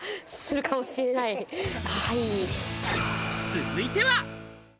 続いては。